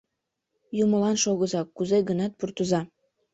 — Юмылан шогыза, кузе-гынат пуртыза!